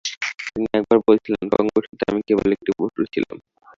তিনি একবার বলেছিলেন, "কঙ্গোর আগে আমি কেবল একটি পশু ছিলাম"।